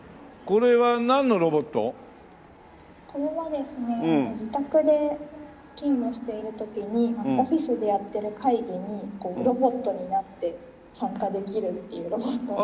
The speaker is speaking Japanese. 「これはですね自宅で勤務している時にオフィスでやってる会議にロボットになって参加できるっていう」